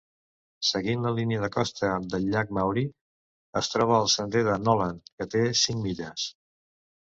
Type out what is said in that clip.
Seguint la línia de costa del llac Maury, es troba el sender de Noland, que té cinc milles.